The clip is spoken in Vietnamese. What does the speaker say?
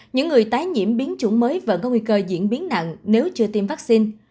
những người tái nhiễm biến chủng mới và có nguy cơ diễn biến nặng nếu chưa tiêm vaccine